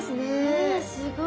ねえすごい。